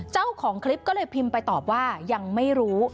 เจ้าของคลิปก็เลยพิมพ์ไปตอบว่ายังไม่รู้